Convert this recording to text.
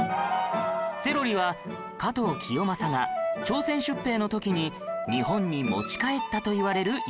セロリは加藤清正が朝鮮出兵の時に日本に持ち帰ったといわれる野菜